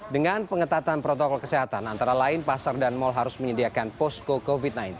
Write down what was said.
dengan pengetatan protokol kesehatan antara lain pasar dan mal harus menyediakan posko covid sembilan belas